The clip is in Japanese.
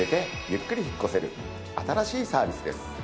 新しいサービスです。